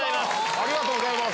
ありがとうございます！